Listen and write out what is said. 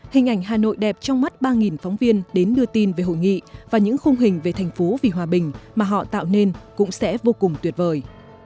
hình ảnh hà nội đẹp trong mắt ba phóng viên đến đưa tin về hội nghị và những khung hình về thành phố vì hòa bình mà họ tạo nên cũng sẽ vô cùng tuyệt vời